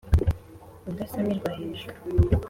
Udasamirwa hejuru